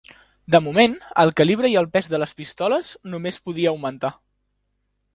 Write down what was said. De moment, el calibre i el pes de les pistoles només podia augmentar.